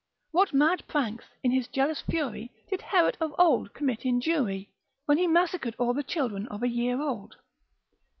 What mad pranks in his jealous fury did Herod of old commit in Jewry, when he massacred all the children of a year old?